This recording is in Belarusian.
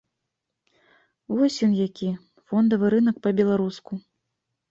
Вось ён які, фондавы рынак па-беларуску.